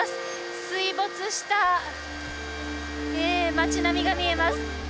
水没した町並みが見えます。